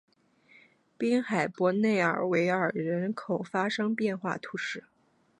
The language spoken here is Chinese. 滨海伯内尔维尔人口变化图示